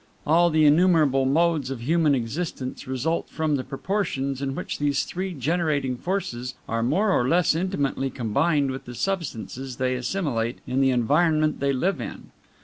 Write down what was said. All the innumerable modes of human existence result from the proportions in which these three generating forces are more or less intimately combined with the substances they assimilate in the environment they live in."